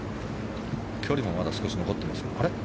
距離もまだ少し残っています。